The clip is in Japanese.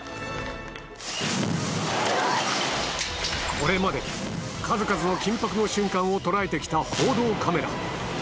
これまで数々のを捉えてきた報道カメラ